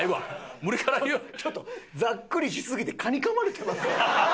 ちょっとざっくりしすぎて蚊にかまれてません？